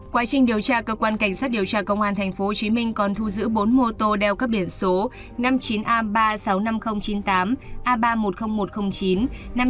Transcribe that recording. quá trình điều tra cơ quan cảnh sát điều tra công an tp hcm còn thu giữ bốn mô tô đeo các biển số năm mươi chín a ba trăm sáu mươi năm nghìn chín mươi tám